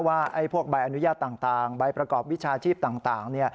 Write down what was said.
ว่าพวกใบอนุญาตต่างใบประกอบวิชาชีพต่าง